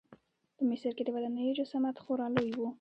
په مصر کې د ودانیو جسامت خورا لوی و.